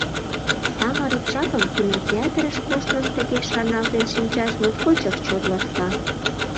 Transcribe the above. Самырык жапым, кинотеатрыш коштмым тыге шарналтен шинчаш моткочак чот ласка.